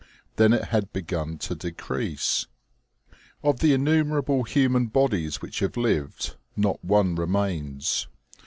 Then it had begun to decrease. Of the innumerable human bodies which have lived, not one remains.